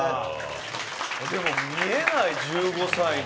でも見えない１５歳に。